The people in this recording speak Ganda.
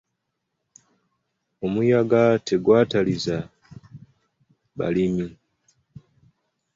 Omuyaga tegwatalizza balimi.